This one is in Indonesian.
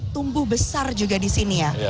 tumbuh besar juga disini ya